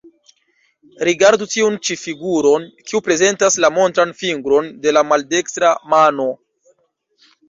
Rigardu tiun ĉi figuron, kiu prezentas la montran fingron de la maldekstra mano.